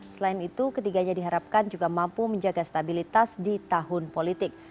selain itu ketiganya diharapkan juga mampu menjaga stabilitas di tahun politik